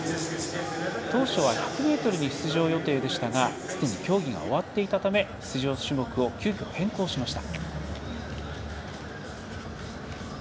当初は１００ｍに出場予定でしたがすでに競技が終わっていたため出場種目を急きょ変更しました。